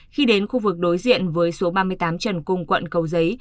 khi đến khu vực đối diện với số ba mươi tám trần cung quận cầu giấy